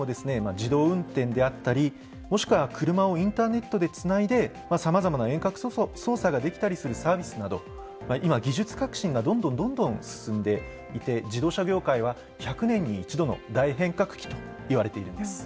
自動運転であったりもしくは車をインターネットでつないでさまざまな遠隔操作ができたりするサービスなど今技術革新がどんどんどんどん進んでいて自動車業界は１００年に一度の大変革期といわれているんです。